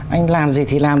anh làm gì thì làm